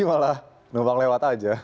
malah numpang lewat aja